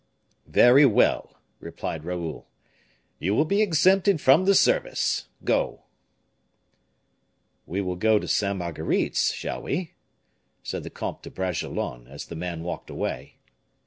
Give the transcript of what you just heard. "Very well," replied Raoul; "you will be exempted from the service. Go." "We will go to Sainte Marguerite's, shall we?" said the comte to Bragelonne, as the man walked away.